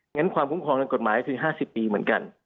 งั้นความคุ้มครองทางกฎหมายก็คือ๕๐ปีเหมือนกัน